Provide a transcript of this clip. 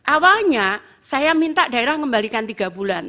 awalnya saya minta daerah mengembalikan tiga bulan